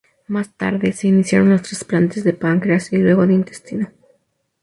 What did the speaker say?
Más tarde, se iniciaron los trasplantes de páncreas, y luego de intestino.